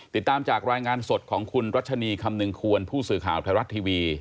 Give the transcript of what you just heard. ติดตามจากรายงานสดของคุณรัชนีคำนึงควรผู้สื่อข่าวไทยรัฐทีวี